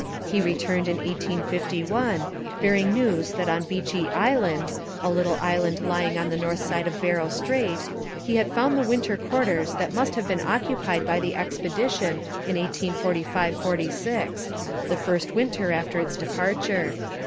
He returned in 1851, bringing news that on Beechey Island, a little island lying on the north side of Barrow Strait, he had found the winter quarters that must have been occupied by the expedition in 1845 46, the first winter after its departure.